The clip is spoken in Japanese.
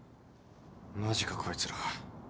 マジかこいつら。